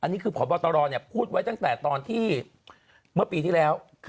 นี่คือพบตรพูดไว้ตั้งแต่เมื่อปีที่แล้ว